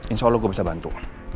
insya allah gue bisa bantu